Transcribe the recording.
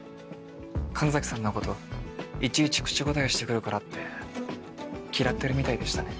神崎さんのこといちいち口答えしてくるからって嫌ってるみたいでしたね。